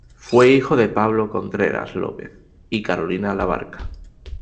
Fue hijo de Pablo Contreras López y Carolina Labarca.